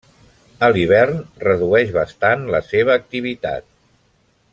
A l'hivern redueix bastant la seva activitat.